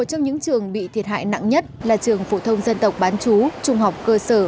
trong những trường bị thiệt hại nặng nhất là trường phổ thông dân tộc bán chú trung học cơ sở